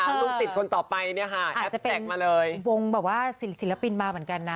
ลูกศิษย์คนต่อไปเนี่ยค่ะแฮปแท็กมาเลยวงแบบว่าศิลปินมาเหมือนกันนะ